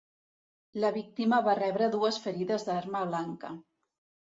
La víctima va rebre dues ferides d'arma blanca.